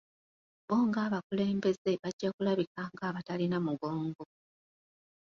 Bo ng'abakulembeze bajja kulabika ng'abatalina mugongo.